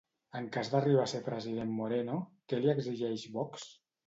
En cas d'arribar a ser president Moreno, què li exigeix Vox?